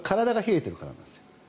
体が冷えているからです。